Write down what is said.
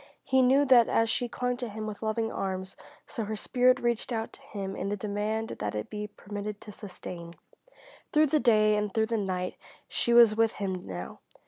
He knew that as she clung to him with loving arms, so her spirit reached out to him in the demand that it be permitted to sustain. Through the day and through the night she was with him now.